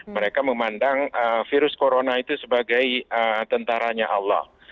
mereka memandang virus corona itu sebagai tentaranya allah